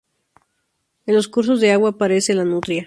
En los cursos de agua aparece la nutria.